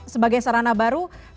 sebagai sarana baru